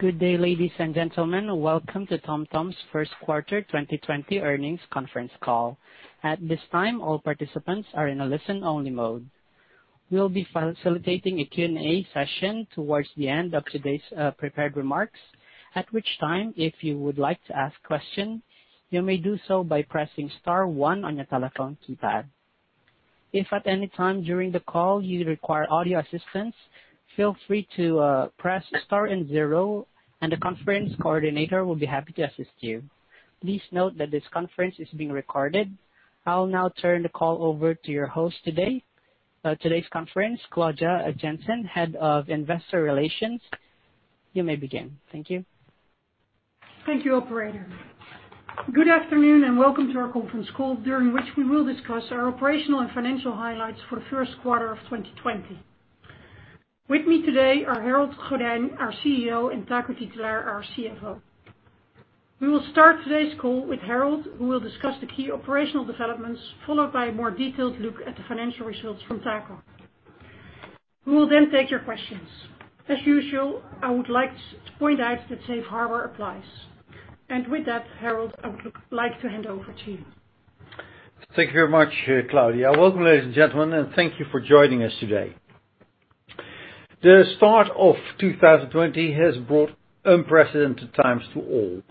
Good day, ladies and gentlemen. Welcome to TomTom's first quarter 2020 earnings conference call. At this time, all participants are in a listen-only mode. We'll be facilitating a Q&A session towards the end of today's prepared remarks, at which time, if you would like to ask questions, you may do so by pressing star one on your telephone keypad. If at any time during the call you require audio assistance, feel free to Press Star and zero, and the conference coordinator will be happy to assist you. Please note that this conference is being recorded. I'll now turn the call over to your host today, Claudia Janssen, Head of Investor Relations. You may begin. Thank you. Thank you, operator. Good afternoon, and welcome to our conference call, during which we will discuss our operational and financial highlights for the first quarter of 2020. With me today are Harold Goddijn, our CEO, and Taco Titulaer, our CFO. We will start today's call with Harold, who will discuss the key operational developments, followed by a more detailed look at the financial results from Taco. We will then take your questions. As usual, I would like to point out that Safe Harbor applies. With that, Harold, I would like to hand over to you. Thank you very much, Claudia. Welcome, ladies and gentlemen, and thank you for joining us today. The start of 2020 has brought unprecedented times to all.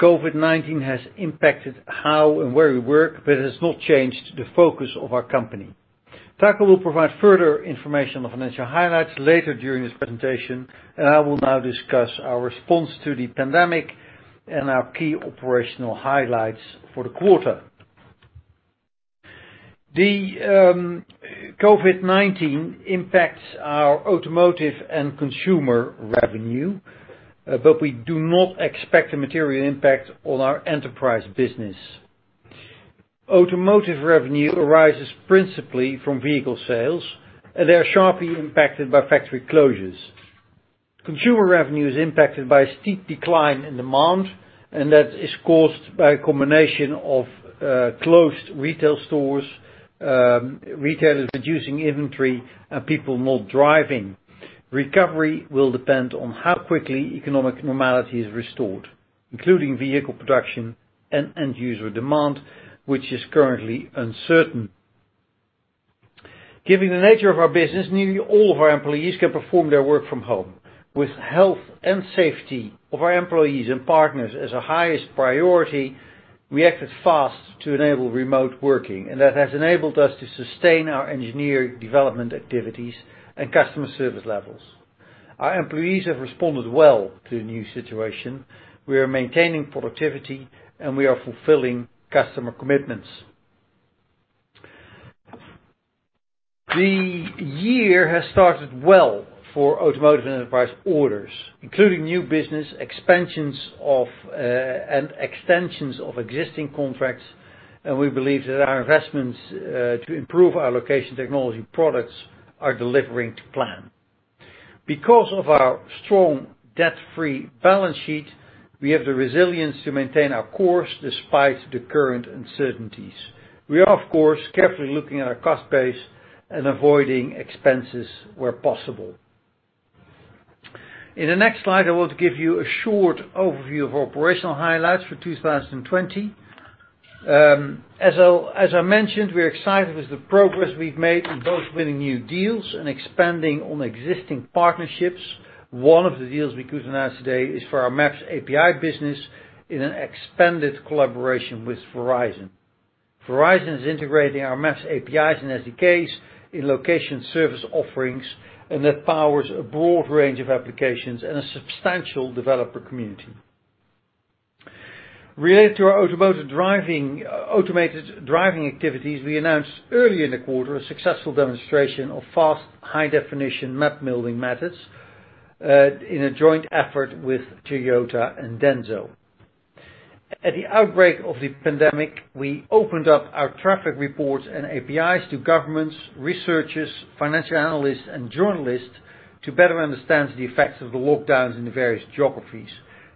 COVID-19 has impacted how and where we work, but it has not changed the focus of our company. Taco will provide further information on the financial highlights later during this presentation, and I will now discuss our response to the pandemic and our key operational highlights for the quarter. The COVID-19 impacts our automotive and consumer revenue, but we do not expect a material impact on our enterprise business. Automotive revenue arises principally from vehicle sales, and they are sharply impacted by factory closures. Consumer revenue is impacted by a steep decline in demand, and that is caused by a combination of closed retail stores, retailers reducing inventory, and people not driving. Recovery will depend on how quickly economic normality is restored, including vehicle production and end-user demand, which is currently uncertain. Given the nature of our business, nearly all of our employees can perform their work from home. With health and safety of our employees and partners as our highest priority, we acted fast to enable remote working, and that has enabled us to sustain our engineering development activities and customer service levels. Our employees have responded well to the new situation. We are maintaining productivity, and we are fulfilling customer commitments. The year has started well for automotive and enterprise orders, including new business expansions of and extensions of existing contracts, and we believe that our investments to improve our location technology products are delivering to plan. Because of our strong debt-free balance sheet, we have the resilience to maintain our course despite the current uncertainties. We are, of course, carefully looking at our cost base and avoiding expenses where possible. In the next slide, I want to give you a short overview of operational highlights for 2020. As I mentioned, we're excited with the progress we've made in both winning new deals and expanding on existing partnerships. One of the deals we could announce today is for our Maps APIs business in an expanded collaboration with Verizon. Verizon is integrating our Maps APIs and SDKs in location service offerings, and that powers a broad range of applications and a substantial developer community. Related to our automotive driving, automated driving activities, we announced earlier in the quarter a successful demonstration of fast, high-definition map building methods, in a joint effort with Toyota and Denso. At the outbreak of the pandemic, we opened up our traffic reports and APIs to governments, researchers, financial analysts, and journalists to better understand the effects of the lockdowns in the various geographies.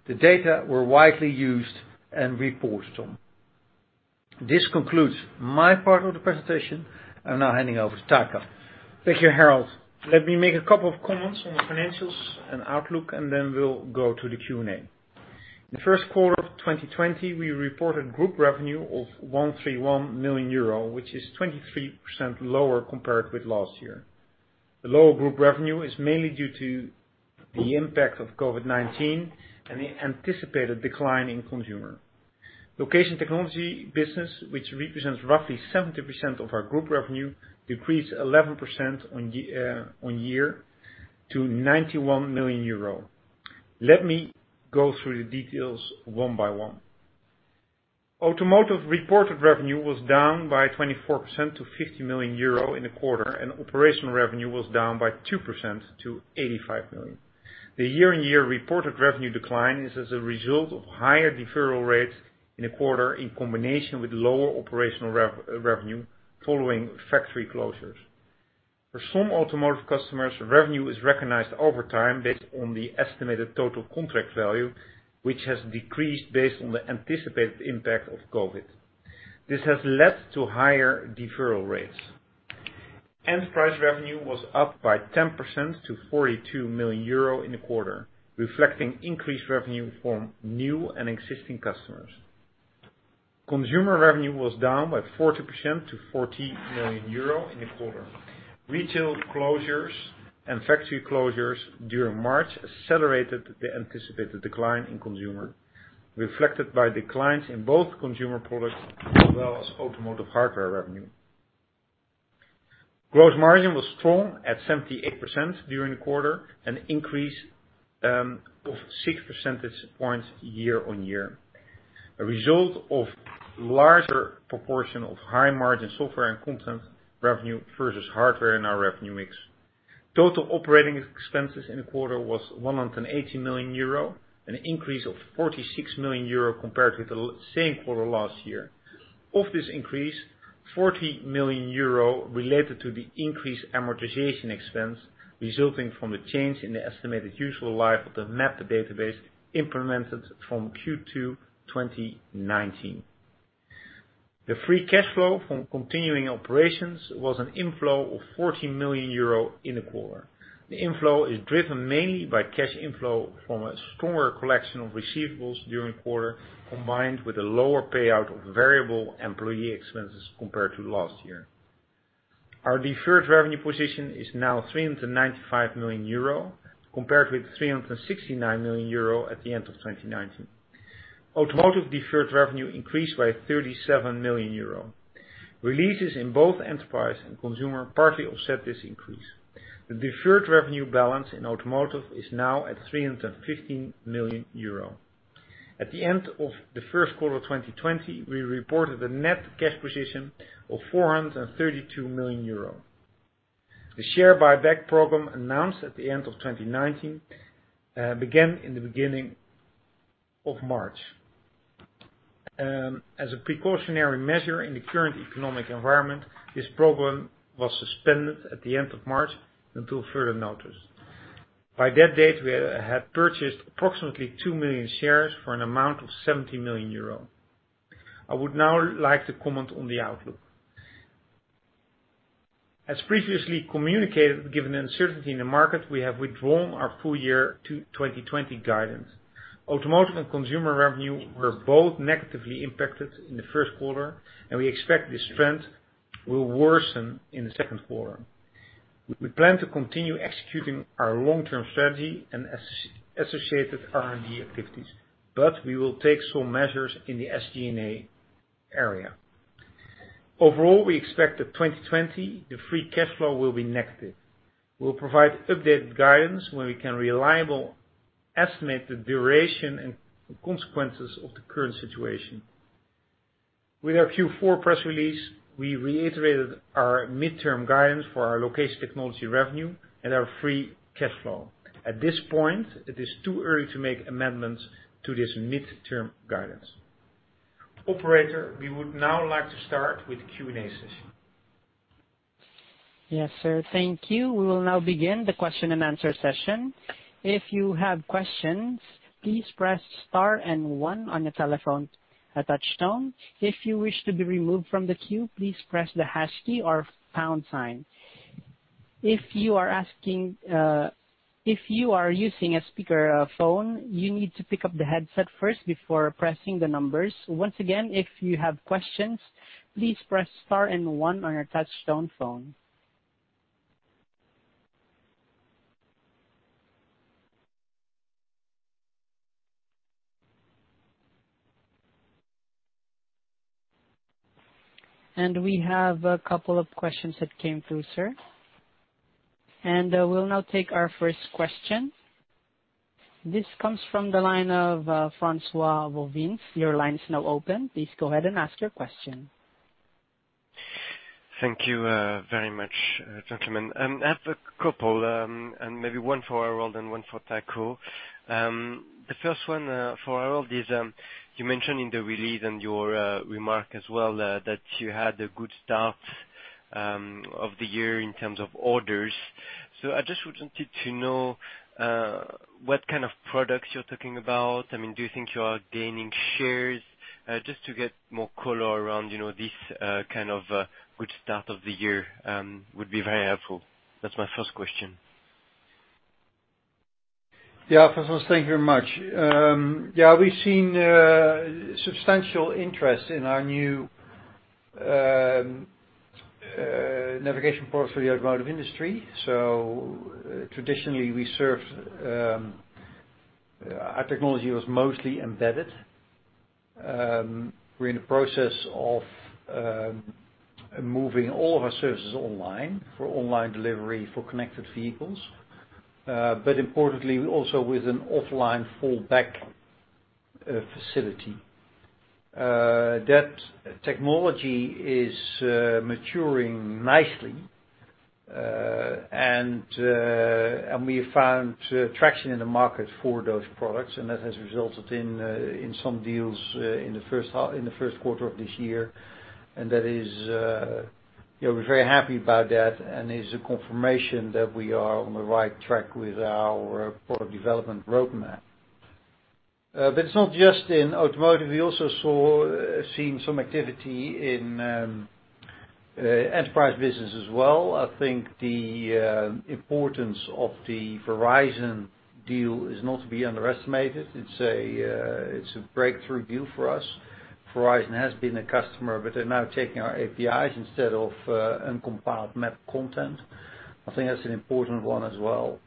The data were widely used and reported on. This concludes my part of the presentation. I'm now handing over to Taco. Thank you, Harold. Let me make a couple of comments on the financials and outlook, and then we'll go to the Q&A. In the first quarter of 2020, we reported group revenue of 131 million euro, which is 23% lower compared with last year. The lower group revenue is mainly due to the impact of COVID-19 and the anticipated decline in consumer. Location technology business, which represents roughly 70% of our group revenue, decreased 11% on year to 91 million euro. Let me go through the details one by one. Automotive reported revenue was down by 24% to 50 million euro in the quarter, and operational revenue was down by 2% to 85 million. The year-on-year reported revenue decline is as a result of higher deferral rates in the quarter in combination with lower operational revenue following factory closures. For some automotive customers, revenue is recognized over time based on the estimated total contract value, which has decreased based on the anticipated impact of COVID-19. This has led to higher deferral rates. Enterprise revenue was up by 10% to €42 million in the quarter, reflecting increased revenue from new and existing customers. Consumer revenue was down by 40% to €14 million in the quarter. Retail closures and factory closures during March accelerated the anticipated decline in consumer, reflected by declines in both consumer products as well as automotive hardware revenue. Gross margin was strong at 78% during the quarter, an increase of six percentage points year-on-year, a result of larger proportion of high margin software and content revenue versus hardware in our revenue mix. Total operating expenses in the quarter was €180 million, an increase of €46 million compared with the same quarter last year. Of this increase, €40 million related to the increased amortization expense resulting from the change in the estimated useful life of the map database implemented from Q2 2019. The free cash flow from continuing operations was an inflow of 14 million euro in the quarter. The inflow is driven mainly by cash inflow from a stronger collection of receivables during the quarter, combined with a lower payout of variable employee expenses compared to last year. Our deferred revenue position is now 395 million euro, compared with 369 million euro at the end of 2019. Automotive deferred revenue increased by 37 million euro. Releases in both enterprise and consumer partly offset this increase. The deferred revenue balance in automotive is now at 315 million euro. At the end of the first quarter of 2020, we reported a net cash position of 432 million euro. The share buyback program announced at the end of 2019 began in the beginning of March. As a precautionary measure in the current economic environment, this program was suspended at the end of March until further notice. By that date, we had purchased approximately 2 million shares for an amount of 70 million euro. I would now like to comment on the outlook. As previously communicated, given the uncertainty in the market, we have withdrawn our full year 2020 guidance. Automotive and consumer revenue were both negatively impacted in the first quarter, and we expect this trend will worsen in the second quarter. We plan to continue executing our long-term strategy and associated R&D activities, but we will take some measures in the SG&A area. Overall, we expect that 2020, the free cash flow will be negative. We'll provide updated guidance when we can reliably estimate the duration and consequences of the current situation. With our Q4 press release, we reiterated our midterm guidance for our location technology revenue and our free cash flow. At this point, it is too early to make amendments to this midterm guidance. Operator, we would now like to start with the Q&A session. Yes, sir. Thank you. We will now begin the question and answer session. If you have questions, please press star and one on your telephone touchtone. If you wish to be removed from the queue, please press the hash key or pound sign. If you are using a speakerphone, you need to pick up the headset first before pressing the numbers. Once again, if you have questions, please press star and one on your touchtone phone. We have a couple of questions that came through, sir. We'll now take our first question. This comes from the line of François Wouters. Your line is now open. Please go ahead and ask your question. Thank you very much, gentlemen. I have a couple, and maybe one for Harold and one for Taco. The first one for Harold is, you mentioned in the release and your remark as well, that you had a good start of the year in terms of orders. I just wanted to know what kind of products you're talking about. Do you think you are gaining shares? Just to get more color around this kind of good start of the year would be very helpful. That's my first question. Yeah. François, thank you very much. Yeah, we've seen substantial interest in our new navigation products for the automotive industry. Traditionally, our technology was mostly embedded. We're in the process of moving all of our services online, for online delivery for connected vehicles. Importantly, also with an offline fallback facility. That technology is maturing nicely, and we have found traction in the market for those products, and that has resulted in some deals in the first quarter of this year. We're very happy about that, and it's a confirmation that we are on the right track with our product development roadmap. It's not just in automotive. We also seen some activity in enterprise business as well. I think the importance of the Verizon deal is not to be underestimated. It's a breakthrough deal for us. Verizon has been a customer, but they're now taking our APIs instead of uncompiled map content. I think that's an important one as well.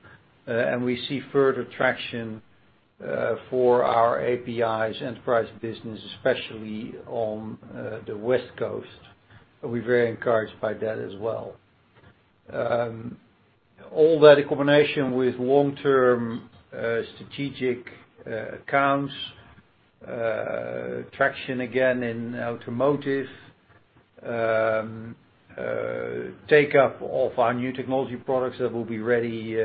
We see further traction for our APIs enterprise business, especially on the West Coast. We're very encouraged by that as well. All that in combination with long-term strategic accounts, traction again in automotive, take up of our new technology products that will be ready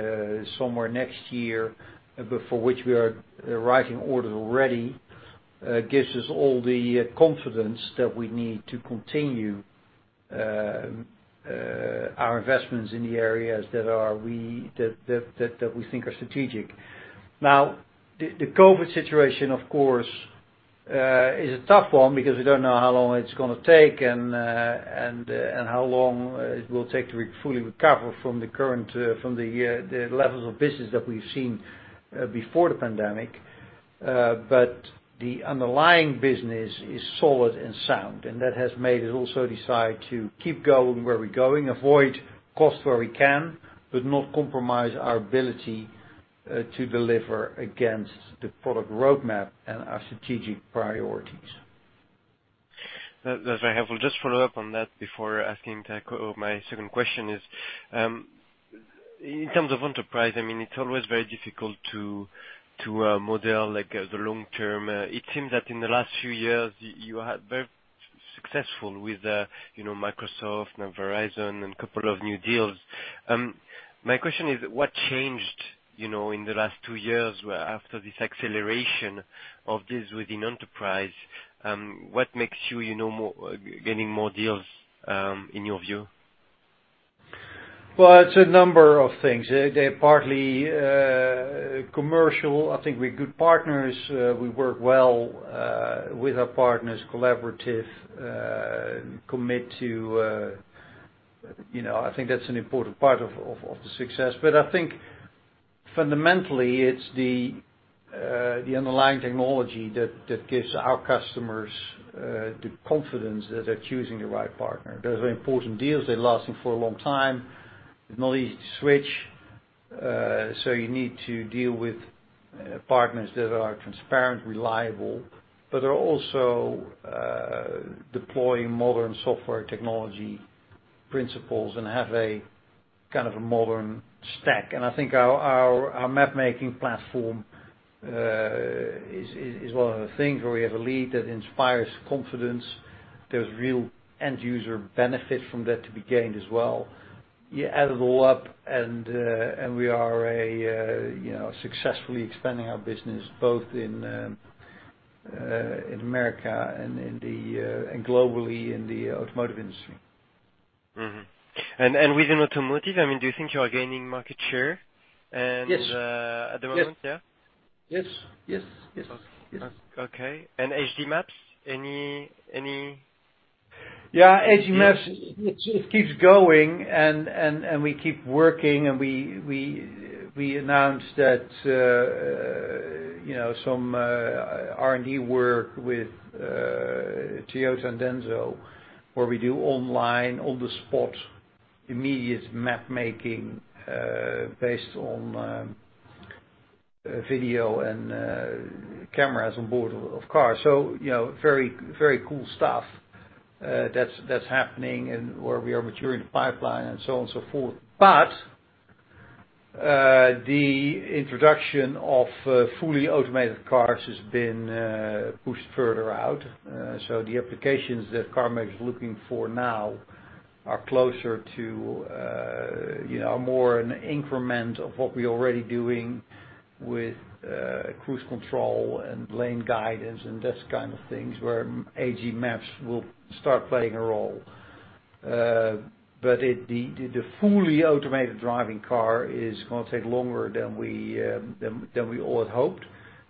somewhere next year, but for which we are writing orders already, gives us all the confidence that we need to continue our investments in the areas that we think are strategic. The COVID-19 situation, of course, is a tough one because we don't know how long it's going to take and how long it will take to fully recover from the levels of business that we've seen before the pandemic. The underlying business is solid and sound, and that has made us also decide to keep going where we're going, avoid cost where we can, but not compromise our ability to deliver against the product roadmap and our strategic priorities. That's very helpful. Just follow up on that before asking Taco my second question is, in terms of enterprise, it's always very difficult to model the long term. It seems that in the last two years, you are very successful with Microsoft, now Verizon, and a couple of new deals. My question is, what changed in the last two years after this acceleration of deals within enterprise? What makes you getting more deals, in your view? Well, it's a number of things. They're partly commercial. I think we're good partners. We work well with our partners, collaborative, commit to I think that's an important part of the success. I think fundamentally, it's the underlying technology that gives our customers the confidence that they're choosing the right partner. Those are important deals. They're lasting for a long time. It's not easy to switch. You need to deal with partners that are transparent, reliable, but are also deploying modern software technology principles and have a modern stack. I think our map making platform is one of the things where we have a lead that inspires confidence. There's real end user benefit from that to be gained as well. You add it all up, and we are successfully expanding our business both in America and globally in the automotive industry. Within automotive, do you think you are gaining market share at the moment? Yes. Okay. HD maps? Yeah. HD maps, it keeps going, and we keep working, and we announced that some R&D work with Toyota and Denso, where we do online, on the spot, immediate map making based on video and cameras on board of cars. Very cool stuff that's happening and where we are maturing the pipeline and so on and so forth. The introduction of fully automated cars has been pushed further out. The applications that car makers is looking for now are closer to, more an increment of what we're already doing with cruise control and lane guidance and that kind of things, where HD maps will start playing a role. The fully automated driving car is going to take longer than we all had hoped.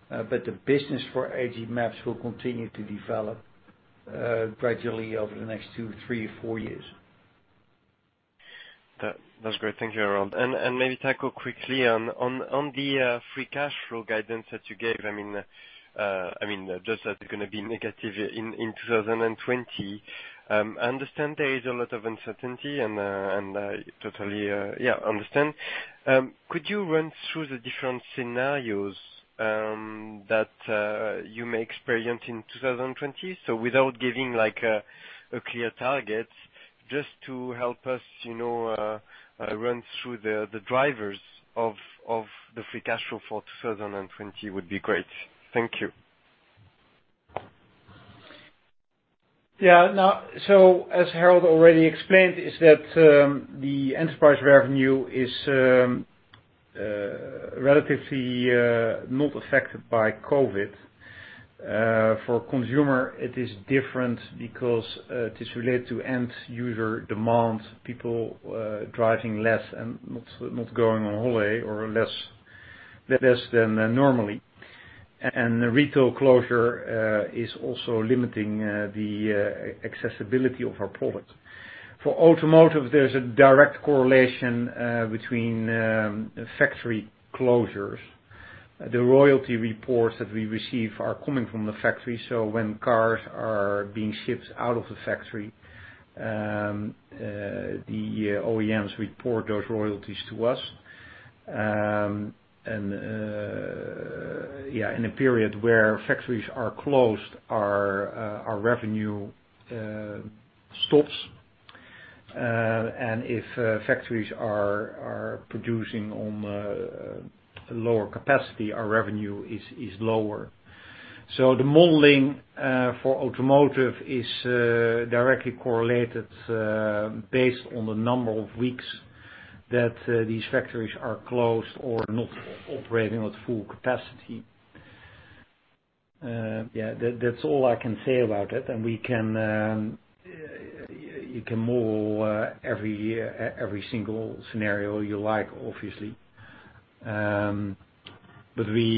The business for HD maps will continue to develop gradually over the next two, three, four years. That's great. Thank you, Harold. Maybe Taco quickly on the free cash flow guidance that you gave. Just that it's going to be negative in 2020. I understand there is a lot of uncertainty, and I totally understand. Could you run through the different scenarios that you may experience in 2020? Without giving a clear target, just to help us run through the drivers of the free cash flow for 2020 would be great. Thank you. As Harold already explained, the enterprise revenue is relatively not affected by COVID. For consumer, it is different because it is related to end user demand, people driving less and not going on holiday or less than normally. Retail closure is also limiting the accessibility of our product. For automotive, there's a direct correlation between factory closures. The royalty reports that we receive are coming from the factory, so when cars are being shipped out of the factory, the OEMs report those royalties to us. In a period where factories are closed, our revenue stops. If factories are producing on lower capacity, our revenue is lower. The modeling for automotive is directly correlated, based on the number of weeks that these factories are closed or not operating at full capacity. Yeah, that's all I can say about it, and you can model every single scenario you like, obviously. We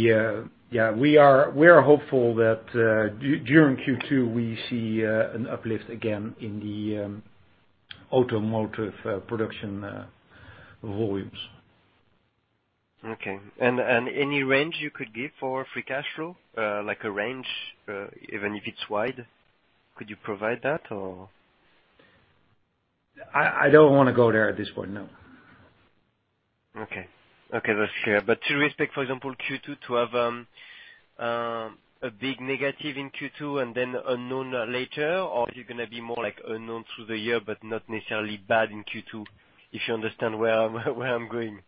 are hopeful that during Q2, we see an uplift again in the automotive production volumes. Okay. Any range you could give for free cash flow? Like a range, even if it's wide, could you provide that or? I don't want to go there at this point, no. Okay. That's fair. To respect, for example, Q2, to have a big negative in Q2 and then unknown later, or is it going to be more like unknown through the year, but not necessarily bad in Q2? If you understand where I'm going.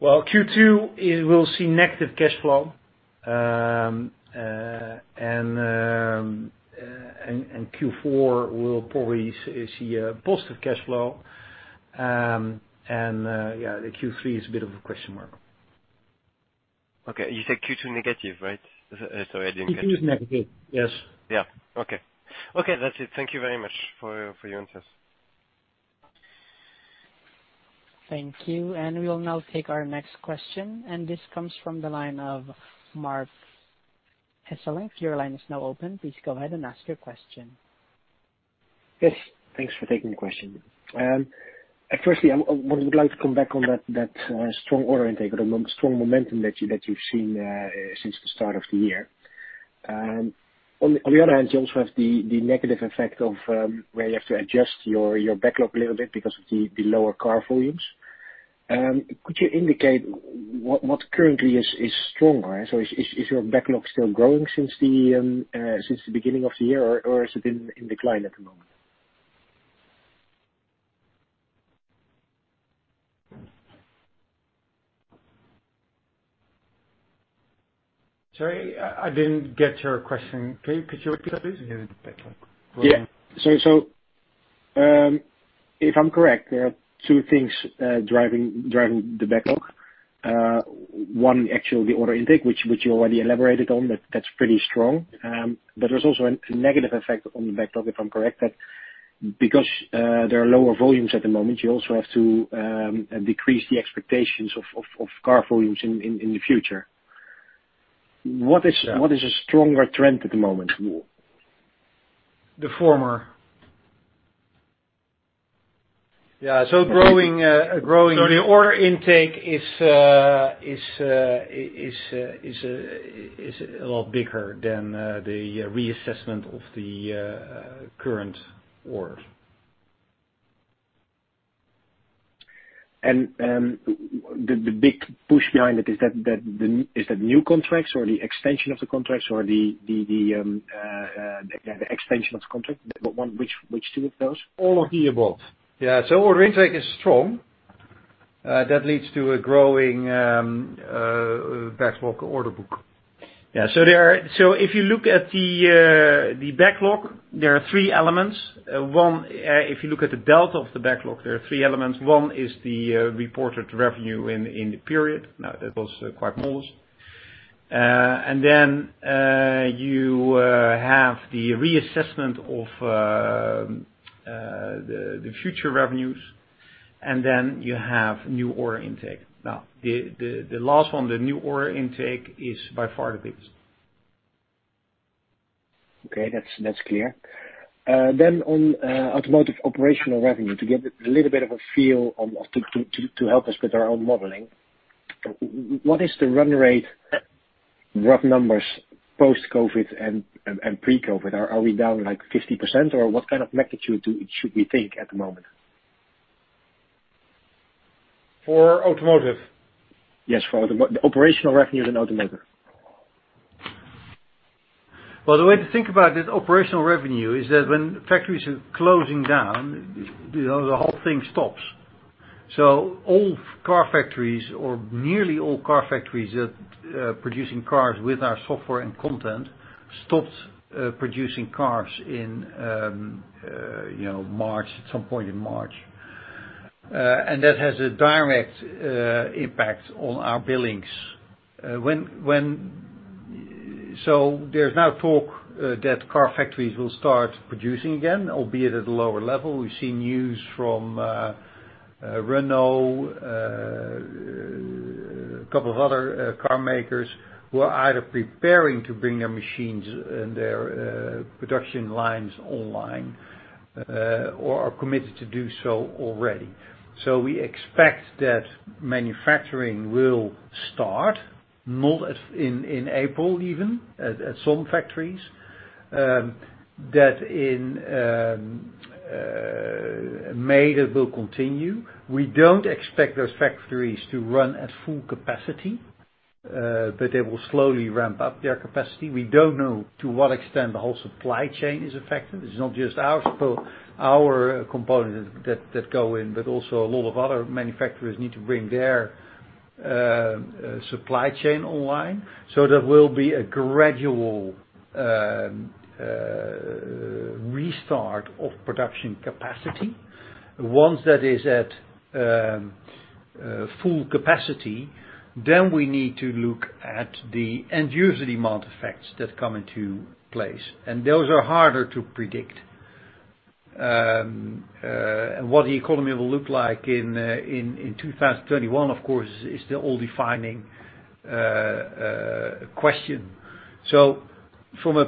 Well, Q2 will see negative cash flow, and Q4 will probably see a positive cash flow. Yeah, the Q3 is a bit of a question mark. Okay. You said Q2 negative, right? Sorry, I didn't get. Q2 is negative. Yes. Yeah. Okay. Okay, that's it. Thank you very much for your answers. Thank you. We will now take our next question, and this comes from the line of Marc Hesselink. Your line is now open. Please go ahead and ask your question. Yes, thanks for taking the question. Firstly, I would like to come back on that strong order intake, the strong momentum that you've seen since the start of the year. On the other hand, you also have the negative effect of where you have to adjust your backlog a little bit because of the lower car volumes. Could you indicate what currently is stronger? Is your backlog still growing since the beginning of the year, or is it in decline at the moment? Sorry, I didn't get your question. Could you repeat that, please? Yeah. If I'm correct, there are two things driving the backlog. One, actually the order intake, which you already elaborated on, that's pretty strong. There's also a negative effect on the backlog, if I'm correct, that because there are lower volumes at the moment, you also have to decrease the expectations of car volumes in the future. What is a stronger trend at the moment? The former. Yeah. The order intake is a lot bigger than the reassessment of the current orders. The big push behind it is that new contracts or the extension of the contracts or the extension of the contract, which two of those? All of the above. Yeah. Order intake is strong. That leads to a growing backlog order book. Yeah. If you look at the backlog, there are three elements. One, if you look at the delta of the backlog, there are three elements. One is the reported revenue in the period. That was quite modest. Then you have the reassessment of the future revenues, and then you have new order intake. The last one, the new order intake is by far the biggest. Okay, that's clear. On automotive operational revenue, to get a little bit of a feel to help us with our own modeling, what is the run rate, rough numbers, post-COVID-19 and pre-COVID-19? Are we down like 50% or what kind of magnitude should we think at the moment? For automotive? Yes, for the operational revenues in automotive. Well, the way to think about this operational revenue is that when factories are closing down, the whole thing stops. All car factories or nearly all car factories that are producing cars with our software and content stopped producing cars at some point in March. That has a direct impact on our billings. There's now talk that car factories will start producing again, albeit at a lower level. We've seen news from Renault, a couple of other car makers who are either preparing to bring their machines and their production lines online, or are committed to do so already. We expect that manufacturing will start in April, even at some factories. That in May, that will continue. We don't expect those factories to run at full capacity, but they will slowly ramp up their capacity. We don't know to what extent the whole supply chain is affected. It's not just our components that go in, but also a lot of other manufacturers need to bring their supply chain online. There will be a gradual restart of production capacity. Once that is at full capacity, then we need to look at the end-user demand effects that come into place. Those are harder to predict. What the economy will look like in 2021, of course, is the all-defining question. From a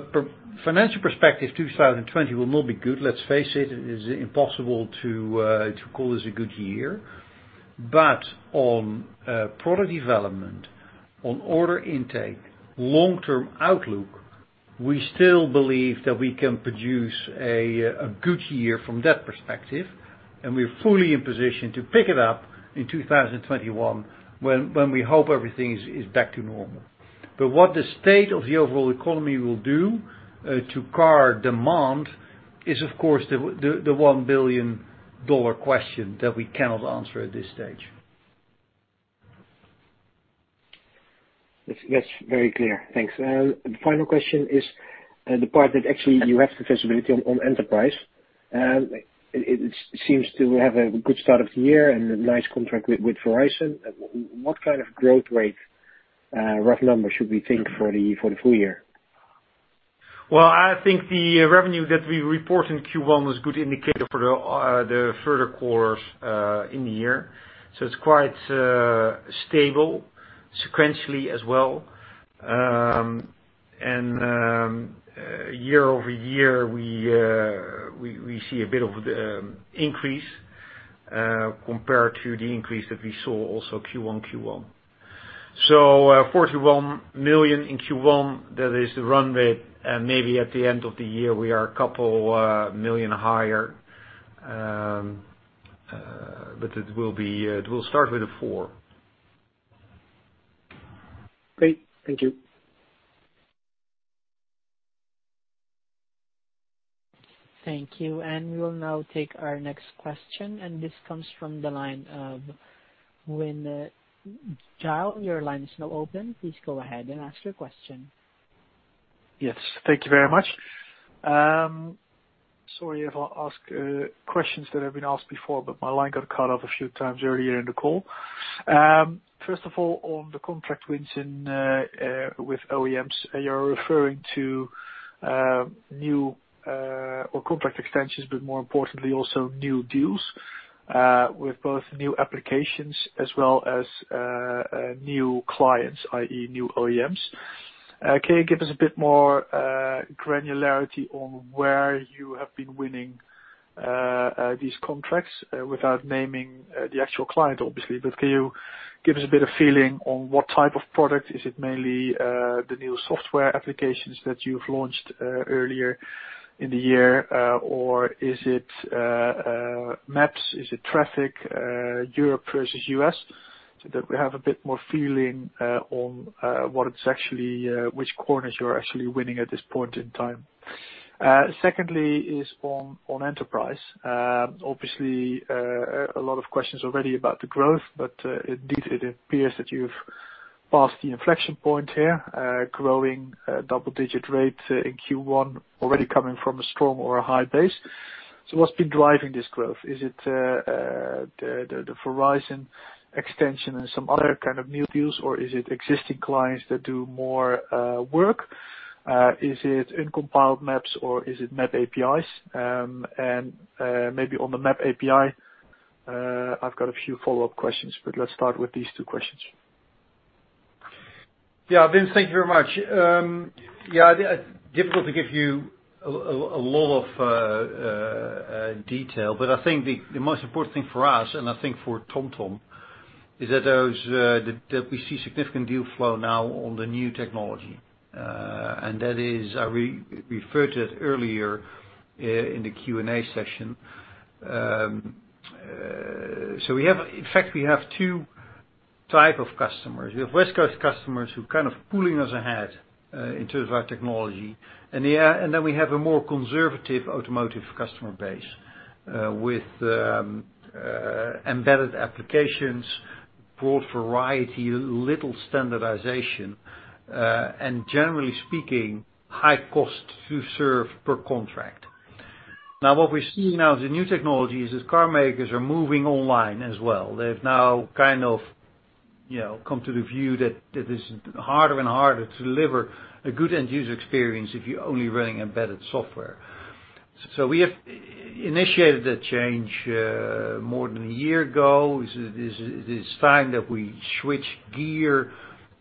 financial perspective, 2020 will not be good. Let's face it is impossible to call this a good year. On product development, on order intake, long-term outlook, we still believe that we can produce a good year from that perspective, and we're fully in position to pick it up in 2021, when we hope everything is back to normal. What the state of the overall economy will do to car demand is, of course, the EUR 1 billion question that we cannot answer at this stage. That's very clear. Thanks. Final question is the part that actually you have the visibility on enterprise. It seems to have a good start of the year and a nice contract with Verizon. What kind of growth rate, rough number should we think for the full year? Well, I think the revenue that we report in Q1 was a good indicator for the further quarters in the year. It's quite stable sequentially as well. Year-over-year, we see a bit of increase compared to the increase that we saw also Q1. 41 million in Q1, that is the run rate, and maybe at the end of the year, we are a couple million EUR higher. It will start with a four. Great. Thank you. Thank you. We will now take our next question, and this comes from the line of Wim Gille, your line is now open. Please go ahead and ask your question. Yes. Thank you very much. Sorry if I ask questions that have been asked before, my line got cut off a few times earlier in the call. First of all, on the contract wins with OEMs, you're referring to new or contract extensions, but more importantly, also new deals with both new applications as well as new clients, i.e., new OEMs. Can you give us a bit more granularity on where you have been winning these contracts without naming the actual client, obviously? Can you give us a bit of feeling on what type of product? Is it mainly the new software applications that you've launched earlier in the year? Or is it maps? Is it traffic? Europe versus U.S.? That we have a bit more feeling on which corners you're actually winning at this point in time. Secondly is on enterprise. Obviously, a lot of questions already about the growth, but indeed, it appears that you've passed the inflection point here, growing double-digit rate in Q1, already coming from a strong or a high base. What's been driving this growth? Is it the Verizon extension and some other kind of new deals, or is it existing clients that do more work? Is it uncompiled maps or is it Maps APIs? Maybe on the Maps API, I've got a few follow-up questions, but let's start with these two questions. Vince, thank you very much. Difficult to give you a lot of detail, but I think the most important thing for us, and I think for TomTom, is that we see significant deal flow now on the new technology. That is, I referred to it earlier in the Q&A session. In fact, we have two type of customers. We have West Coast customers who are kind of pulling us ahead in terms of our technology. We have a more conservative automotive customer base, with embedded applications, broad variety, little standardization, and generally speaking, high cost to serve per contract. What we're seeing now with the new technology is that car makers are moving online as well. They've now come to the view that it is harder and harder to deliver a good end-user experience if you're only running embedded software. We have initiated that change more than a year ago. It is time that we switch gear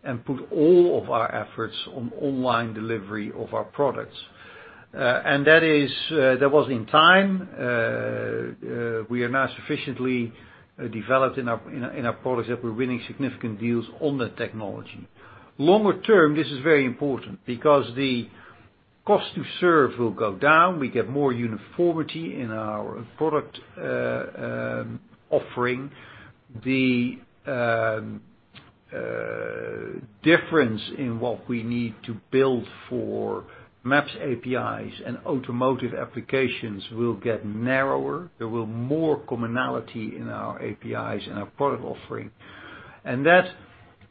and put all of our efforts on online delivery of our products. That was in time. We are now sufficiently developed in our products that we're winning significant deals on the technology. Longer term, this is very important, because the cost to serve will go down. We get more uniformity in our product offering. The difference in what we need to build for Maps APIs and automotive applications will get narrower. There will more commonality in our APIs and our product offering. That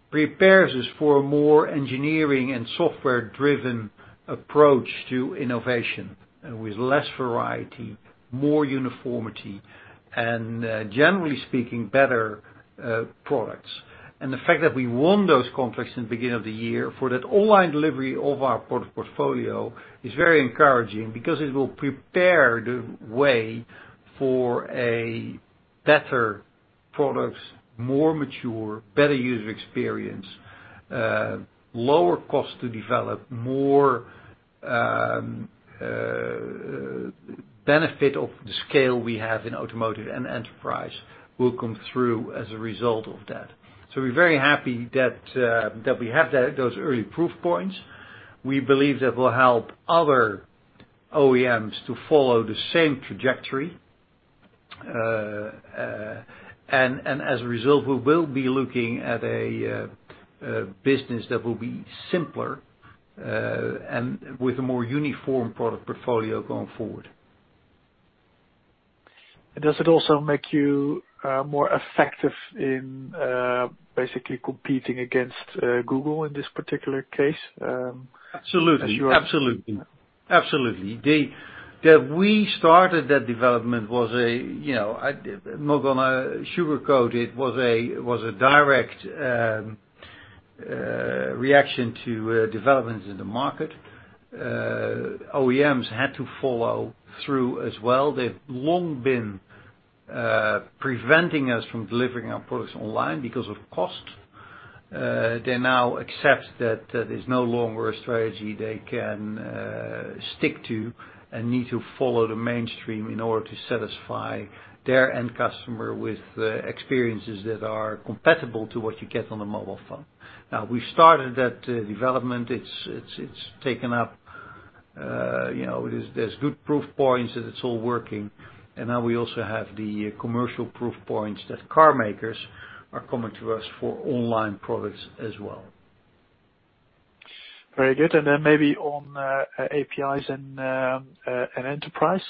prepares us for a more engineering and software-driven approach to innovation, with less variety, more uniformity, and generally speaking, better products. The fact that we won those contracts in the beginning of the year for that online delivery of our product portfolio is very encouraging, because it will prepare the way for a better product, more mature, better user experience, lower cost to develop, more benefit of the scale we have in automotive and enterprise will come through as a result of that. We're very happy that we have those early proof points. We believe that will help other OEMs to follow the same trajectory. As a result, we will be looking at a business that will be simpler, and with a more uniform product portfolio going forward. Does it also make you more effective in basically competing against Google in this particular case? Absolutely. That we started that development was a, I'm not going to sugarcoat it, was a direct reaction to developments in the market. OEMs had to follow through as well. They've long been preventing us from delivering our products online because of cost. They now accept that that is no longer a strategy they can stick to and need to follow the mainstream in order to satisfy their end customer with experiences that are compatible to what you get on a mobile phone. We started that development. It's taken up. There's good proof points that it's all working. Now we also have the commercial proof points that car makers are coming to us for online products as well. Very good. Maybe on APIs and enterprise.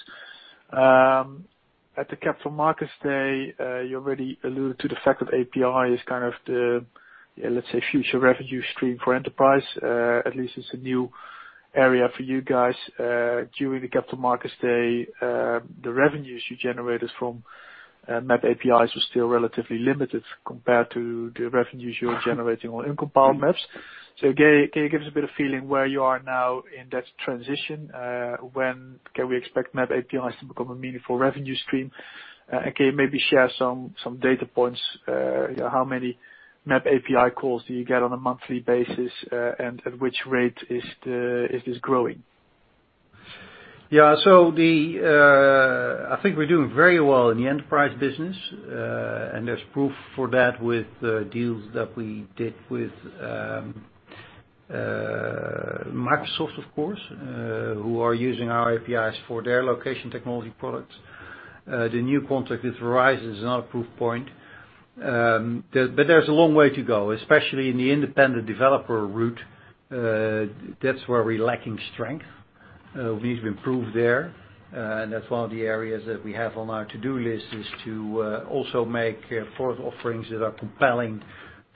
At the Capital Markets Day, you already alluded to the fact that API is kind of the, let's say, future revenue stream for enterprise. At least it's a new area for you guys. During the Capital Markets Day, the revenues you generated from map APIs was still relatively limited compared to the revenues you're generating on uncompiled map. Can you give us a bit of feeling where you are now in that transition? When can we expect map APIs to become a meaningful revenue stream? Can you maybe share some data points, how many map API calls do you get on a monthly basis, and at which rate it is growing? Yeah. I think we're doing very well in the enterprise business. There's proof for that with the deals that we did with Microsoft, of course, who are using our APIs for their location technology products. The new contract with Verizon is another proof point. There's a long way to go, especially in the independent developer route. That's where we're lacking strength. We need to improve there. That's one of the areas that we have on our to-do list, is to also make product offerings that are compelling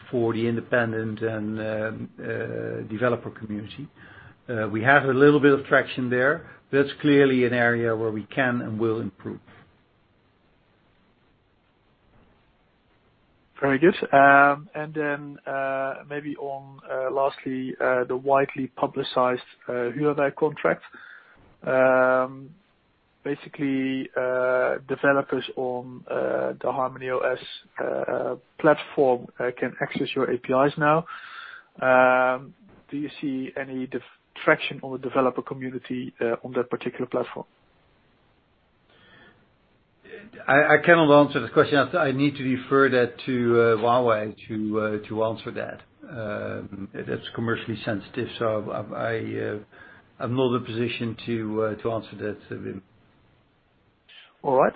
for the independent and developer community. We have a little bit of traction there. That's clearly an area where we can and will improve. Very good. Maybe on, lastly, the widely publicized Huawei contract. Basically, developers on the HarmonyOS platform can access your APIs now. Do you see any traction on the developer community on that particular platform? I cannot answer the question. I need to refer that to Huawei to answer that. That's commercially sensitive, so I'm not in a position to answer that, Wim. All right.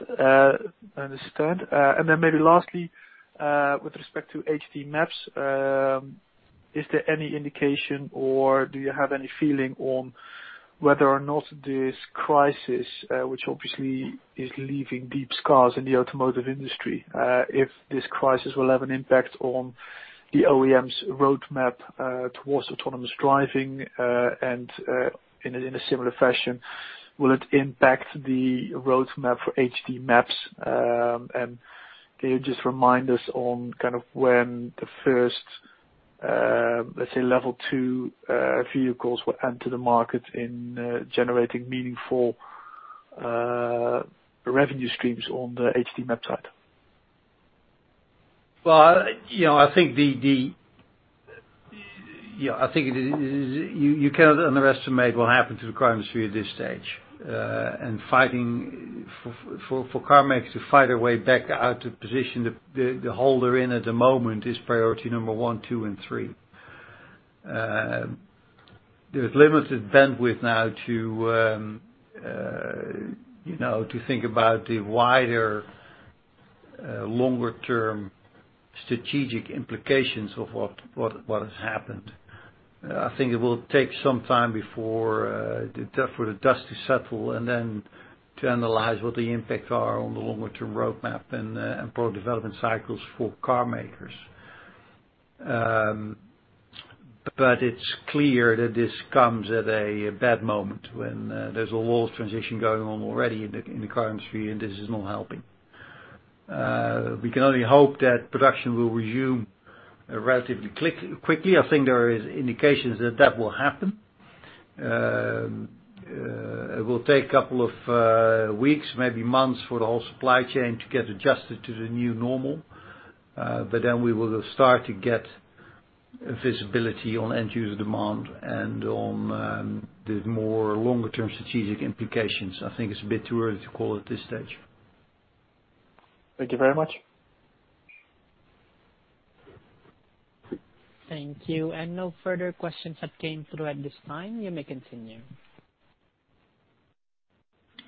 Understand. Then maybe lastly, with respect to HD Map, is there any indication or do you have any feeling on whether or not this crisis, which obviously is leaving deep scars in the automotive industry, if this crisis will have an impact on the OEM's roadmap towards autonomous driving, and in a similar fashion, will it impact the roadmap for HD maps? Can you just remind us on when the first, let's say, level 2 vehicles will enter the market in generating meaningful revenue streams on the HD map side? Well, I think you cannot underestimate what happened to the car industry at this stage. For car makers to fight their way back out to position, the hole they're in at the moment is priority number one, two, and three. There's limited bandwidth now to think about the wider, longer term strategic implications of what has happened. I think it will take some time for the dust to settle and then to analyze what the impacts are on the longer-term roadmap and product development cycles for car makers. It's clear that this comes at a bad moment when there's a lot of transition going on already in the car industry, and this is not helping. We can only hope that production will resume relatively quickly. I think there is indications that that will happen. It will take a couple of weeks, maybe months, for the whole supply chain to get adjusted to the new normal. We will start to get visibility on end user demand and on the more longer term strategic implications. I think it's a bit too early to call at this stage. Thank you very much. Thank you. No further questions have come through at this time. You may continue.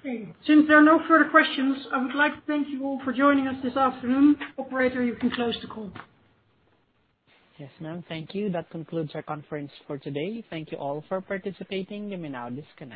Okay. Since there are no further questions, I would like to thank you all for joining us this afternoon. Operator, you can close the call. Yes, ma'am. Thank you. That concludes our conference for today. Thank you all for participating. You may now disconnect.